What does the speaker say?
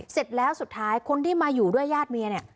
เสร็จแล้วสุดท้ายคนที่มาอยู่ด้วยญาติเมียเนี่ย